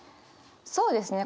そうですね